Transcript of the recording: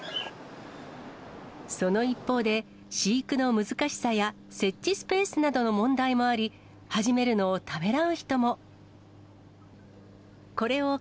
その一方で、飼育の難しさや、設置スペースなどの問題もあり、始めるのをためらう人も。